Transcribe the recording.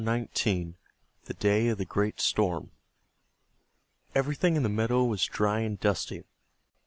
THE DAY OF THE GREAT STORM Everything in the meadow was dry and dusty.